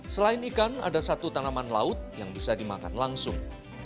selain ikan ada satu tanaman laut yang bisa dimakan langsung